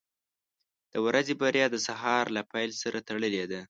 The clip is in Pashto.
• د ورځې بریا د سهار له پیل سره تړلې ده.